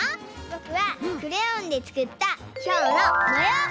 ぼくはクレヨンでつくったヒョウのもよう！